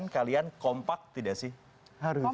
kalian kompak tidak sih